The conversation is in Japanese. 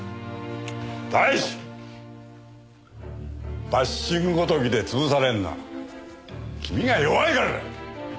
第一バッシングごときで潰されるのは君が弱いからだ！